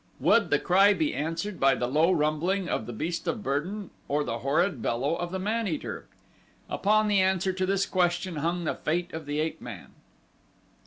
Would the cry be answered by the low rumbling of the beast of burden or the horrid bellow of the man eater? Upon the answer to this question hung the fate of the ape man.